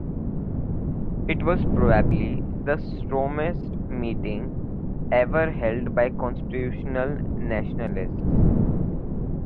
It was "probably the stormiest meeting ever held by constitutional nationalists".